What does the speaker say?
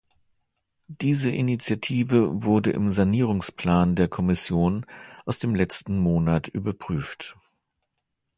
Diese Initiative wurde im Sanierungsplan der Kommission aus dem letzten Monat überprüft.